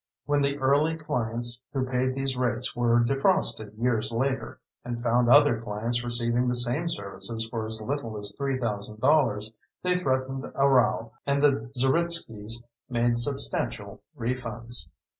When the early clients who paid these rates were defrosted years later, and found other clients receiving the same services for as little as $3,000, they threatened a row and the Zeritskys made substantial refunds.